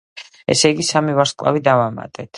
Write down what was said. ესე იგი სამი ვარსკვლავი დავამატეთ.